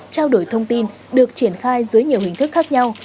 trao đổi thông tin được triển khai dưới nhiều hình thức khác nhau